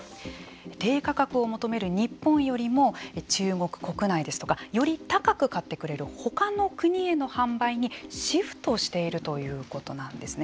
低価格を求める日本よりも中国国内ですとかより高く買ってくれる他の国への販売にシフトしているということなんですね。